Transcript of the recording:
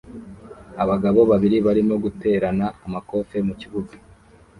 Abagabo babiri barimo guterana amakofe mu kibuga